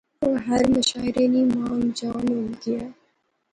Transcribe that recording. او ہر مشاعرے نی مانگ جان ہوئی گیا